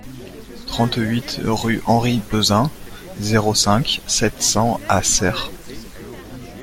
trente-huit rue Henri Peuzin, zéro cinq, sept cents à Serres